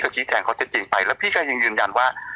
แจงเขาจะจริงไปแล้วพี่ก็ยังยืนยันว่า